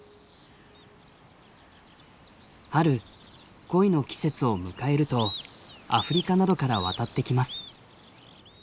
春恋の季節を迎えるとアフリカなどから渡ってきます。